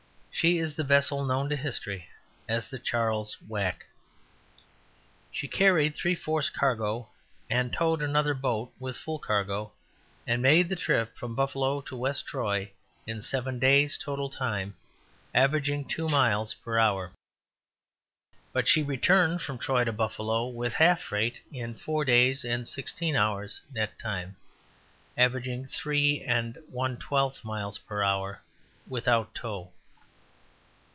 She is the vessel known to history as the Charles Wack. She carried three fourths cargo and towed another boat with full cargo, and made the trip from Buffalo to West Troy in seven days, total time, averaging two miles per hour. But she returned from Troy to Buffalo, with half freight, in four days and sixteen hours, net time; averaging three and one twelfth miles per hour, without tow.